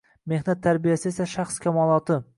Mehnat tarbiyasi esa shaxs kamoloti.